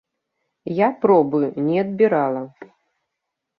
Я пробы не адбірала.